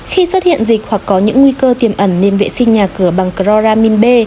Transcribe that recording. khi xuất hiện dịch hoặc có những nguy cơ tiêm ẩn nên vệ sinh nhà cửa bằng chloramin b